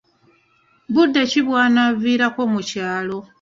Budde ki bw'anaaviirako mu kyalo?